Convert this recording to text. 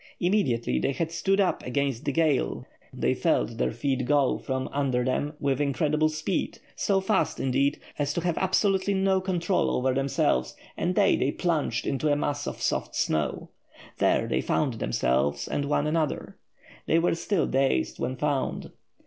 Immediately they had stood up against the gale they felt their feet go from under them, they rushed forward with incredible speed, so fast, indeed, as to have absolutely no control over themselves, and then they plunged into a mass of soft snow. There they found themselves and one another. They were still dazed when found.